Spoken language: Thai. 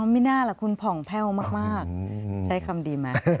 ไม่น่าล่ะคุณผ่องแพ่วมากใช้คำดีไหม